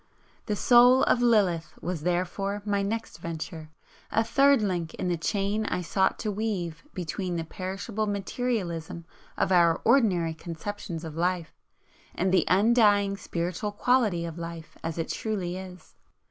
"The Soul of Lilith" was, therefore, my next venture, a third link in the chain I sought to weave between the perishable materialism of our ordinary conceptions of life, and the undying spiritual quality of life as it truly is.